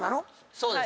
そうです。